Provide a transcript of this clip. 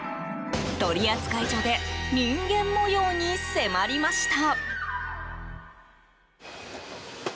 取扱所で人間模様に迫りました。